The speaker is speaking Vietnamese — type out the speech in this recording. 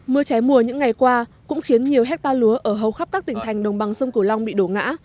mưa trái mùa những ngày qua cũng khiến nhiều hectare lúa ở hầu khắp các tỉnh thành đồng bằng sông cửu long bị đổ ngã